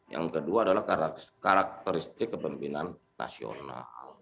yang kedua adalah karakteristik kepemimpinan nasional